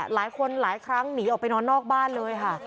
หลายคนหลายครั้งหนีออกไปนอนนอกบ้านเลยค่ะ